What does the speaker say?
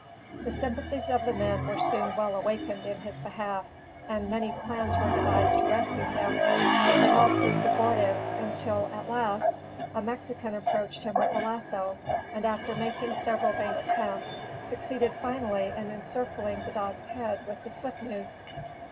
The sympathies of the men were soon well awakened in his behalf, and many plans were devised to rescue him, but they all proved abortive until, at last, a Mexican approached him with a lasso, and after making several vain attempts, succeeded finally in encircling the dog's head with the slip noose.